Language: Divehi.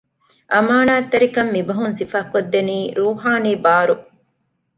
އަމާނާތްތެރިކަން މި ބަހުން ސިފަކޮށް ދެނީ ރޫޙާނީ ބާރު